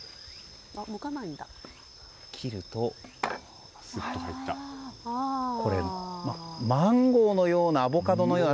切ると、マンゴーのようなアボカドのような。